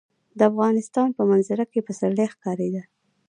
د افغانستان په منظره کې پسرلی ښکاره ده.